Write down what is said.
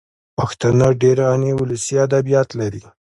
پښتانه ډېر غني ولسي ادبیات لري